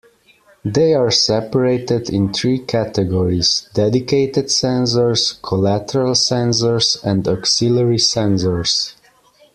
They are separated in three categories: dedicated sensors, collateral sensors and auxiliary sensors.